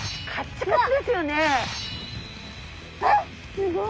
すごい！